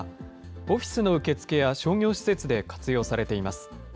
オフィスの受付や商業施設で活用されています。